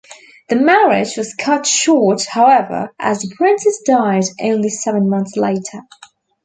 The marriage was cut short however as the princess died only seven months later.